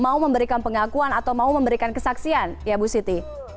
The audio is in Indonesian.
mau memberikan pengakuan atau mau memberikan kesaksian ya bu siti